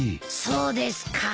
そうですか。